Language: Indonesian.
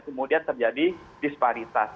kemudian terjadi disparitas